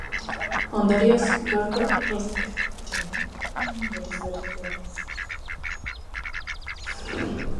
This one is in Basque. Ondorioz, gaur bozkatutako proiektua originala izan da.